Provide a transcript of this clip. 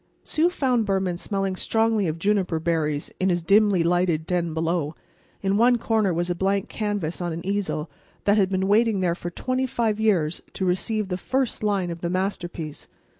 Sue found Behrman smelling strongly of juniper berries in his dimly lighted den below. In one corner was a blank canvas on an easel that had been waiting there for twenty five years to receive the first line of the masterpiece.